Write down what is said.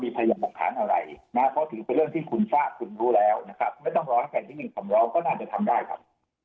ไม่ต้องรอให้แค่นิดนึงคำเล้วก็น่าจะทำได้ครับ